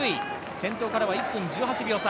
先頭からは１分１８秒差。